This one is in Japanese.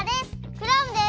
クラムです！